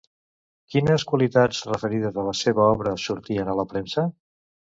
Quines qualitats referides a la seva obra sortien a la premsa?